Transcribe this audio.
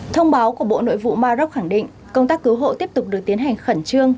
thông báo của bộ nội vụ maroc khẳng định công tác cứu hộ tiếp tục được tiến hành khẩn trương